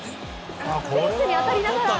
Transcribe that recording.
フェンスに当たりながら。